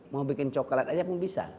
mau bikin coklat aja pun bisa